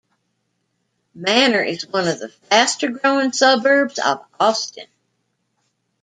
Manor is one of the faster-growing suburbs of Austin.